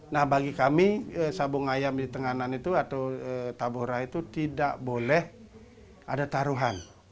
nah bagi kami sabung ayam di tenganan itu atau tabora itu tidak boleh ada taruhan